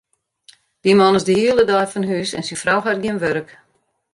Dy man is de hiele dei fan hús en syn frou hat gjin wurk.